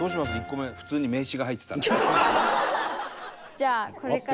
１個目普通に名刺が入ってたら。